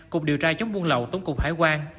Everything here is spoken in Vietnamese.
cục điều tra chống buôn lậu tổng cục hải quan